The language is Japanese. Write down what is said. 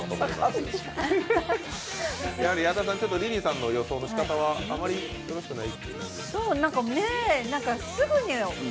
矢田さんリリーさんの予想の仕方はあまりよろしくない？